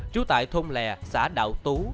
trú tại thôn lè xã đạo tu